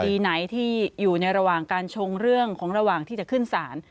ไหนที่อยู่ในระหว่างการชงเรื่องของระหว่างที่จะขึ้นศาล